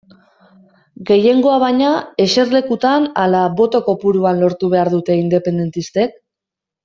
Gehiengoa baina, eserlekutan ala boto kopuruan lortu behar dute independentistek?